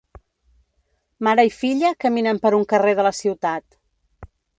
Mare i filla caminen per un carrer de la ciutat.